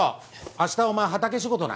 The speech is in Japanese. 明日お前畑仕事な。